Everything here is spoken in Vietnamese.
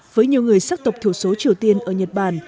với nhiều người xác tộc thủ số triều tiên ở nhật bản